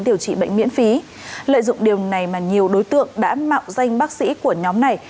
điều trị bệnh miễn phí lợi dụng điều này mà nhiều đối tượng đã mạo danh bác sĩ của nhóm này